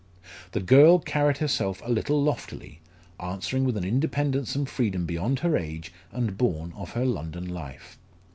The girl carried herself a little loftily, answering with an independence and freedom beyond her age and born of her London life.